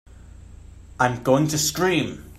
I'm going to scream!